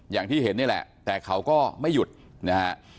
อย่างที่เห็นนี่แหละแต่เขาก็ไม่หยุดนะฮะ